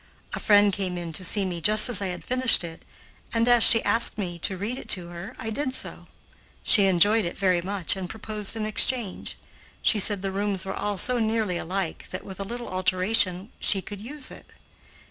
A friend came in to see me just as I had finished it, and, as she asked me to read it to her, I did so. She enjoyed it very much and proposed an exchange. She said the rooms were all so nearly alike that, with a little alteration, she could use it.